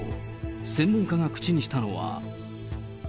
専門家が口にしたのは。